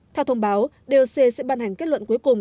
theo thông báo doc sẽ ban hành kết luận cuối cùng